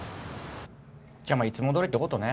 じゃあまあいつもどおりって事ね。